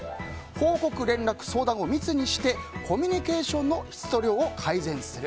報告、連絡、相談を密にしてコミュニケーションの質と量を改善する。